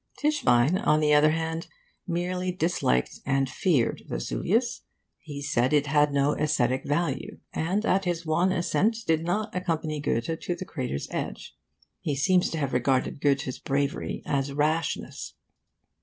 Tischbein, on the other hand, merely disliked and feared Vesuvius. He said it had no aesthetic value, and at his one ascent did not accompany Goethe to the crater's edge. He seems to have regarded Goethe's bravery as rashness.